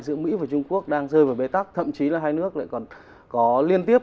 giữa mỹ và trung quốc đang rơi vào bế tắc thậm chí là hai nước lại còn có liên tiếp